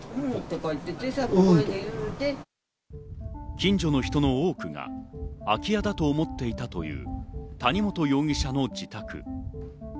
近所の人の多くが空き家だと思っていたという谷本容疑者の自宅。